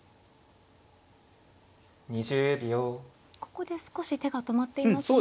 ここで少し手が止まっていますが。